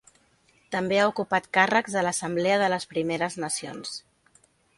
També ha ocupat càrrecs a l’Assemblea de les Primeres Nacions.